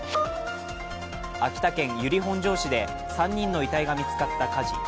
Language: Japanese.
秋田県由利本荘市で３人の遺体が見つかった火事。